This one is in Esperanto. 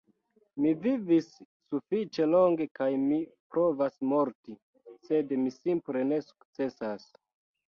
Mi vivis sufiĉe longe kaj mi provas morti, sed mi simple ne sukcesas.